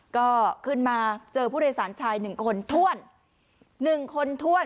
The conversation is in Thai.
ก็ขึ้นมาเจอผู้โดยสารชาย๑คนถ้วน๑คนถ้วน